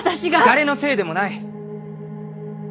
誰のせいでもない！